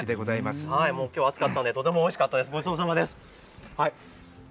きょう、暑かったので、とてもおいしかったです、ごちそうさまです。